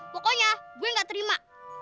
pokoknya gue gak terima